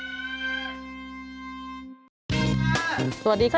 สวัสดีค่ะสวัสดีค่ะ